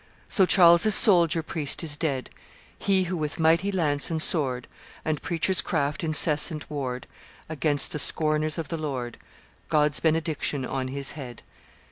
So Charles's soldier priest is dead He who with mighty lance and sword And preacher's craft incessant warred Against the scorners of the Lord: God's benediction on his head!